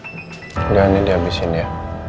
tidak ini dihabisin ya